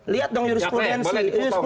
lihat dong jurisprudensi